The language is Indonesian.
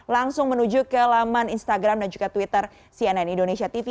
langsung menuju ke laman instagram dan juga twitter cnn indonesia tv